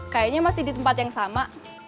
kayaknya masih di tempat yang sama